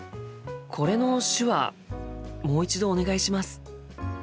これの手話もう一度お願いします。